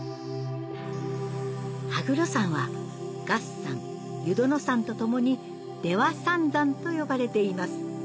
羽黒山は月山湯殿山と共に出羽三山と呼ばれています